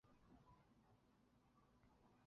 在场上司职中后卫。